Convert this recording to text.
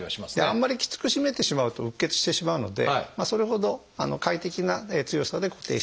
あんまりきつく締めてしまうとうっ血してしまうのでそれほど快適な強さで固定していただくといいと思います。